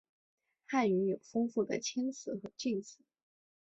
汉语有丰富的谦辞和敬辞。